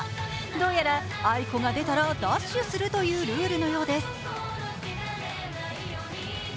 どうやらあいこが出たらダッシュをするというルールのようです。